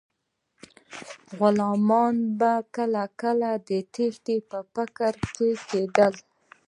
غلامان به کله کله د تیښتې په فکر کې کیدل.